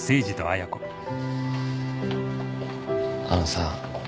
あのさ。